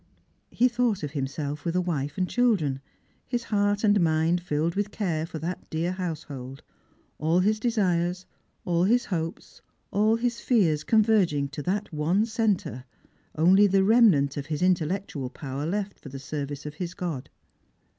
He thought of himself with a wife and children, his heart and mind fi^lled with care for that dear household, all his desires, (dl his hopes, all his fears converging to that one centre— only 134 Strangers and Pilgrims. the remnant of his intellectual power left for the service of hia God.